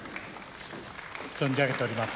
存じ上げております。